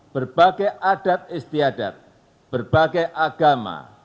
berbagai adat istiadat berbagai agama